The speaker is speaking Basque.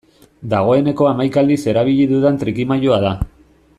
Dagoeneko hamaika aldiz erabili dudan trikimailua da.